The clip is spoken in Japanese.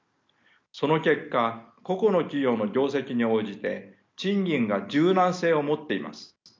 その結果個々の企業の業績に応じて賃金が柔軟性を持っています。